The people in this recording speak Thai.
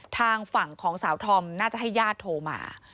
ทางฝั่งของสาวธอมน่าจะให้ญาติโทรมา